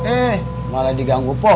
eh malah ini kita mau punya mall